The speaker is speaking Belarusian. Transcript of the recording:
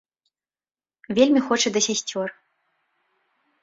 Вельмі хоча да сясцёр.